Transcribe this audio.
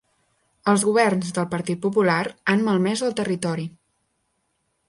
Els governs del Partit Popular han malmès el territori.